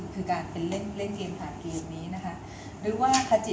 คือนี่เป็นเรื่องของทางเล่นเป็นเกมง่ายของเจ้าหนี้